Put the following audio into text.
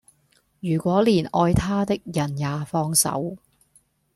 如果連愛他的人也放手